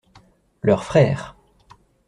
Leurs frères.